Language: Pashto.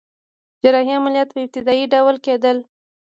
جراحي عملیات په ابتدایی ډول کیدل